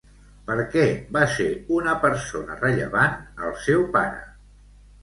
Per què va ser una persona rellevant, el seu pare?